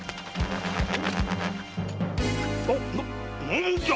何じゃ⁉